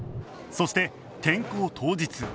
そして転校当日